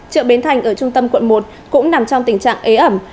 chợ bến thành ở trung tâm quận một cũng nằm trong tình trạng ế ẩm